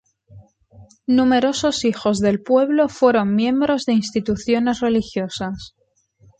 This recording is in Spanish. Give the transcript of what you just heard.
Numerosos hijos del pueblo fueron miembros de instituciones religiosas.